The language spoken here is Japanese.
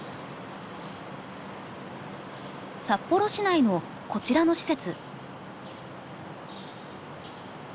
札幌市内のこちらの施設。